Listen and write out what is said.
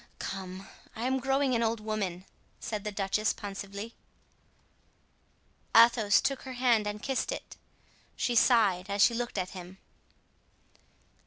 "Come, I am growing an old woman!" said the duchess, pensively. Athos took her hand and kissed it. She sighed, as she looked at him.